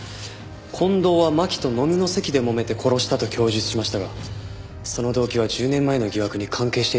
近藤は巻と飲みの席でもめて殺したと供述しましたがその動機は１０年前の疑惑に関係していたのかもしれません。